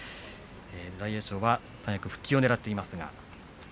大栄翔三役復帰をねらっています。